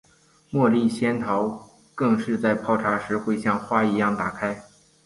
茉莉仙桃更是在泡茶时会像花一样打开。